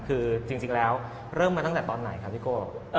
คือจริงแล้วเริ่มมาตั้งแต่ตอนไหนครับพี่โก้